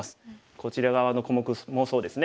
こちら側の小目もそうですね。